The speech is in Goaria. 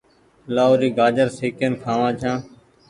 لآهوري گآجر سيڪين کآوآن ڇآن ۔